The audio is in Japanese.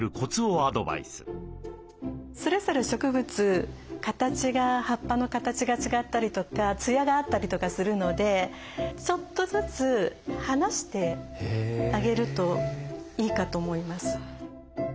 それぞれ植物葉っぱの形が違ったりとかつやがあったりとかするのでちょっとずつ離してあげるといいかと思います。